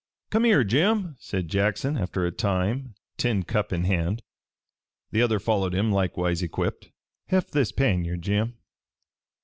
"Come here, Jim," said Jackson after a time, tin cup in hand. The other followed him, likewise equipped. "Heft this pannier, Jim."